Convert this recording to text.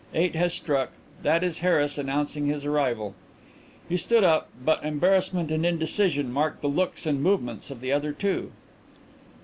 Eight has struck. That is Harris announcing his arrival." He stood up, but embarrassment and indecision marked the looks and movements of the other two.